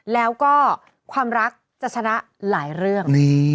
แล้วก็ความรักจะชนะหลายเรื่อง